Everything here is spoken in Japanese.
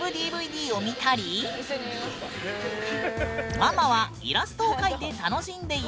ママはイラストを描いて楽しんでいる。